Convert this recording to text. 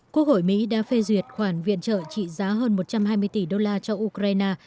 quốc hội mỹ đã phê duyệt khoản viện trợ trị giá hơn một trăm hai mươi tỷ đô la cho ukraine